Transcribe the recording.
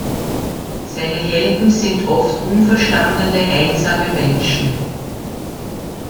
Seine Helden sind oft unverstandene, einsame Menschen.